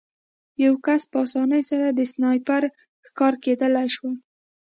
یو کس په اسانۍ سره د سنایپر ښکار کېدلی شو